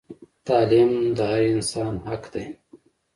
تعلیم د هر انسان حق دی